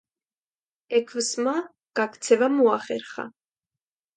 ექვსმა გაქცევა მოახერხა.